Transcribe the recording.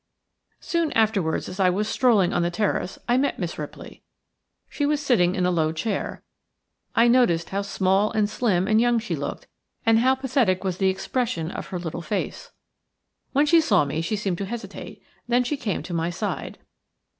Soon afterwards, as I was strolling, on the terrace, I met Miss Ripley. She was sitting in a low chair. I noticed how small, and slim, and young she looked, and how pathetic was the expression of her little face. When she saw me she seemed to hesitate; then she came to my side.